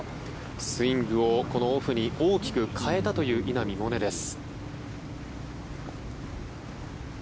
スイングをこのオフに大きく変えたという稲見萌寧です。